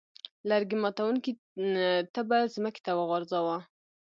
لرګي ماتوونکي تبر ځمکې ته وغورځاوه.